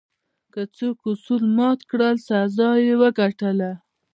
که څوک اصول مات کړل، سزا یې وګټله.